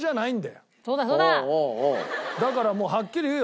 だからもうはっきり言うよ。